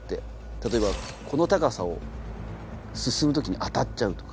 例えばこの高さを進む時に当たっちゃうとか。